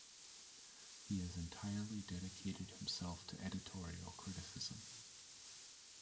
He has entirely dedicated himself to editorial criticism.